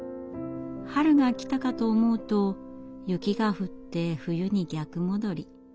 春が来たかと思うと雪が降って冬に逆戻り。